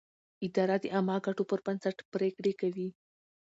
اداره د عامه ګټو پر بنسټ پرېکړې کوي.